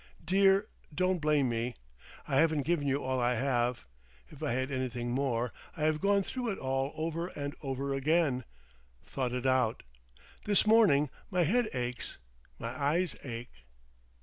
Dear, don't blame me. I have given you all I have. If I had anything more—I have gone through it all over and over again—thought it out. This morning my head aches, my eyes ache.